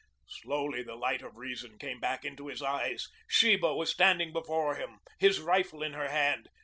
Slowly the light of reason came back into his eyes. Sheba was standing before him, his rifle in her hand.